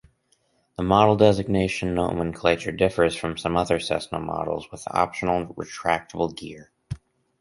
The model designation nomenclature differs from some other Cessna models with optional retractable gear.